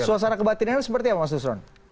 sosana kebatinan seperti apa mas dusron